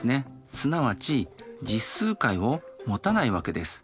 すなわち実数解を持たないわけです。